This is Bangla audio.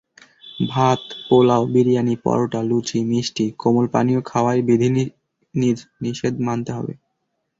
ভাত, পোলাও, বিরিয়ানি, পরোটা, লুচি, মিষ্টি, কোমল পানীয় খাওয়ায় বিধিনিষেধ মানতে হবে।